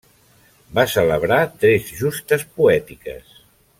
Va celebrar tres justes poètiques.